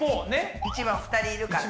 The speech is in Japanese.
１番２人いるから。